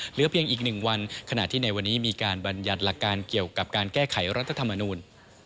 เหลือเพียงอีก๑วันขณะที่ในวันนี้มีการบรรยัติหลักการเกี่ยวกับการแก้ไขรัฐธรรมนูล